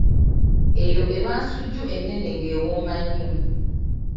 Eyo eba nsujju ennene ng'ewooma nnyo.